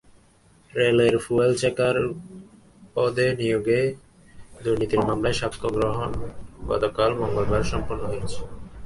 রেলের fuel checker পদে নিয়োগে দুর্নীতির মামলায় সাক্ষ্য গ্রহণ গতকাল মঙ্গলবার সম্পন্ন হয়েছে।